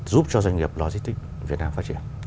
giúp cho doanh nghiệp logistics việt nam phát triển